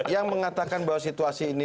yang mengatakan bahwa situasi ini